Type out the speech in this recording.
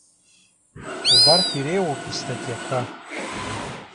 Убарҭ иреиуоуп истатиақәа.